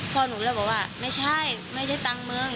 หนูเลยบอกว่าไม่ใช่ไม่ใช่ตังค์มึง